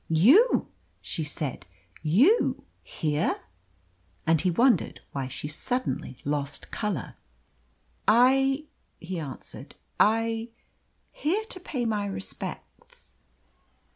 "You!" she said. "You here!" And he wondered why she suddenly lost colour. "I," he answered, "I here to pay my respects."